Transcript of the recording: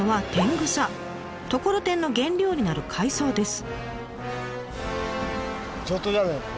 ところてんの原料になる海藻です。